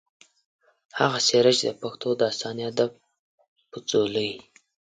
هغه څېره چې د پښتو داستاني ادب پۀ ځولۍ